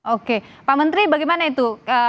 oke pak menteri bagaimana itu